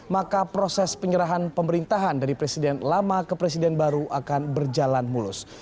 maka proses penyerahan pemerintahan dari presiden lama ke presiden baru akan berjalan mulus